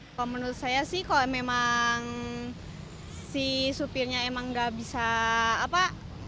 kalau menurut saya sih kalau memang si supirnya emang gak bisa apa